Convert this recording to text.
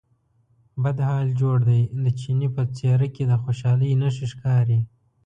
بد حال جوړ دی، د چیني په څېره کې د خوشالۍ نښې ښکارې.